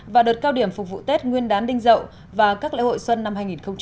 và đợt cao điểm phục vụ tết nguyên đán đinh dậu và các lễ hội xuân năm hai nghìn hai mươi